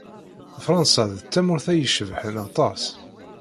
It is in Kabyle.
Fṛansa d tamurt ay icebḥen aṭas.